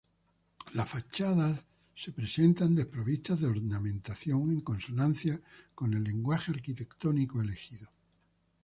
Las fachadas se presentan desprovistas de ornamentación, en consonancia con el lenguaje arquitectónico elegido.